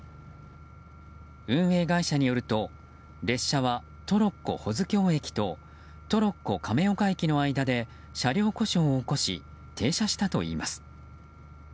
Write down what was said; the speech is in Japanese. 運営会社によると、列車はトロッコ保津峡駅とトロッコ亀岡駅の間で車両故障を起こし停車したといいます。